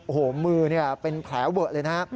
โอ้โหมือเป็นแผลเวอะเลยนะฮะ